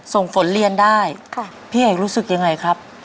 ส่งฝนเรียนได้พี่เอกรู้สึกยังไงครับ